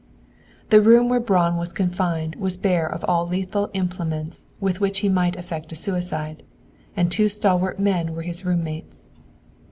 The room where Braun was confined was bare of all lethal implements with which he might effect a suicide, and two stalwart men were his room mates.